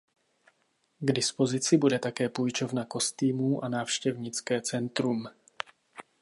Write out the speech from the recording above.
K dispozici bude také půjčovna kostýmů a návštěvnické centrum.